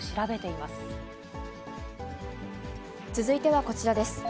続いてはこちらです。